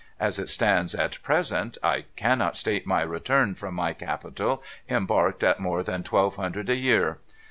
As it stands at present, I cannot state my return from my capital embarked at more than twelve hundred a year.